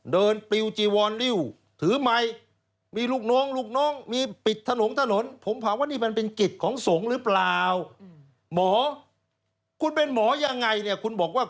เดินปิวจี้วอนริ่ว